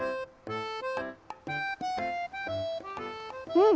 うん！